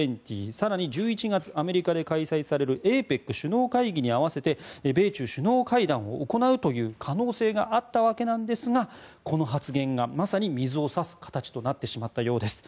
更に１１月、アメリカで開催されるＡＰＥＣ首脳会議に合わせて米中首脳会談を行うという可能性があったわけですがこの発言がまさに水を差す形となってしまったようです。